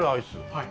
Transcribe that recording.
はい。